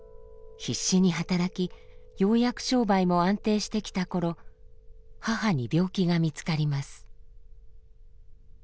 必死に働きようやく商売も安定してきた頃母に病気が見つかります。